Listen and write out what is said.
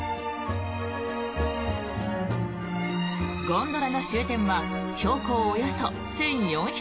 ゴンドラの終点は標高およそ１４００ｍ。